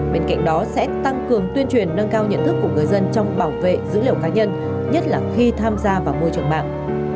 bên cạnh đó sẽ tăng cường tuyên truyền nâng cao nhận thức của người dân trong bảo vệ dữ liệu cá nhân nhất là khi tham gia vào môi trường mạng